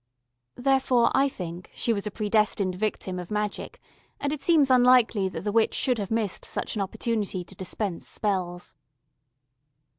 Therefore, I think, she was a predestined victim of magic, and it seems unlikely that the witch should have missed such an opportunity to dispense spells.